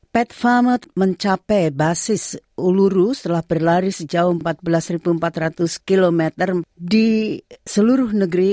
pet farmate mencapai basis uluru setelah berlari sejauh empat belas empat ratus km di seluruh negeri